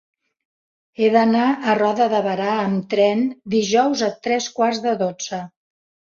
He d'anar a Roda de Berà amb tren dijous a tres quarts de dotze.